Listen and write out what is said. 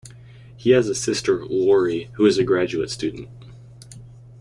He has a sister, Lori, who is a graduate student.